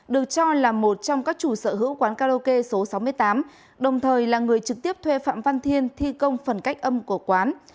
được cho là một trong các chủ sở hữu quán karaoke số sáu mươi tám đồng thời là người trực tiếp thuê phạm văn thiên công phần cách âm của quán